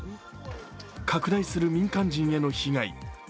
拡大する民間人への被害。